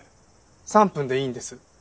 ３分でいいんです。